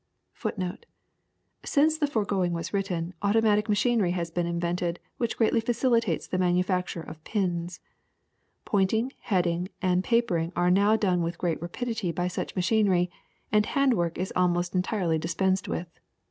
^ 1 Since the foregoing was written automatic machinery has been invented which greatly facilitates the manufacture of pins. Point ing, heading, and papering are now done with great rapidity by such machinery, and hand work is almost entirely dispensed with.